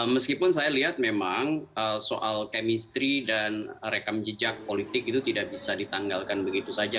meskipun saya lihat memang soal kemistri dan rekam jejak politik itu tidak bisa ditanggalkan begitu saja